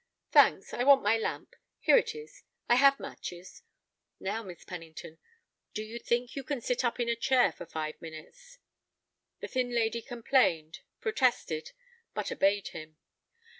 "Thanks; I want my lamp; here it is. I have matches. Now, Miss Pennington, do you think you can sit up in a chair for five minutes?" The thin lady complained, protested, but obeyed him.